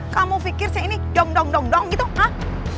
kamu fikir saya ini dong dong dong dong gitu hah